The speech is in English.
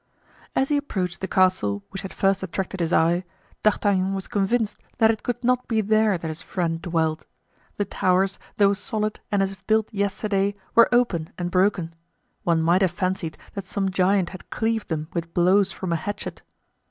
As he approached the castle which had first attracted his eye, D'Artagnan was convinced that it could not be there that his friend dwelt; the towers, though solid and as if built yesterday, were open and broken. One might have fancied that some giant had cleaved them with blows from a hatchet.